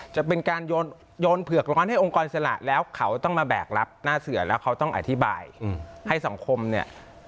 จะเป็นการโยนเผือกร้อนให้องค์กรอิสระแล้วเขาต้องมาแบกรับหน้าเสือแล้วเขาต้องอธิบายให้สังคมเนี่ย